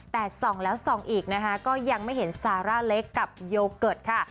แต่ส่องแล้วส่องอีกนะคะก็ยังไม่เห็นซาร่าเล็กกับโยเกิร์ตค่ะ